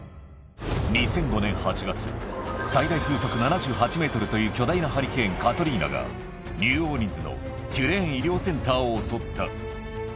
２００５年８月、最大風速７８メートルという巨大なハリケーン・カトリーナが、ニューオーリンズのテュレーン医療センターを襲った。